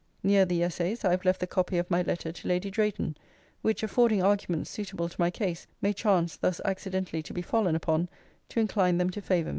Near the essays, I have left the copy of my letter to Lady Drayton;* which affording arguments suitable to my case, may chance (thus accidentally to be fallen upon) to incline them to favour me.